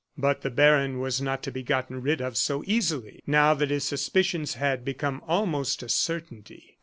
But the baron was not to be gotten rid of so easily, now that his suspicions had become almost a certainty.